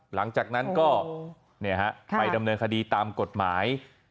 หลังจากนั้นก็ไปดำเนินคดีตามกฎหมาย